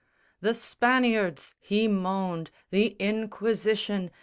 "The Spaniards," he moaned, "the Inquisition!